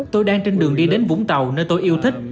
tôi đang trên đường đi đến vũng tàu nơi tôi yêu thích